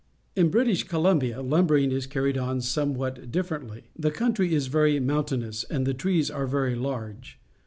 In British Columbia lumbering is carried on somewhat differently. The country is very mountainous, and the trees are very large.